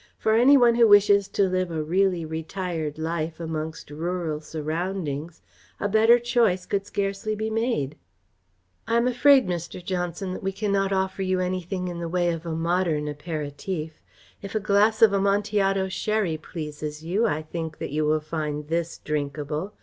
"For any one who wishes to live a really retired life amongst rural surroundings a better choice could scarcely be made. I am afraid, Mr. Johnson, that we cannot offer you anything in the way of a modern apéritif. If a glass of Amontillado sherry pleases you I think that you will find this drinkable.